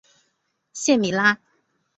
谢米拉。